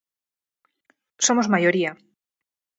Somos maioría.